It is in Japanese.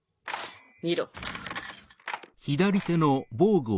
見ろ。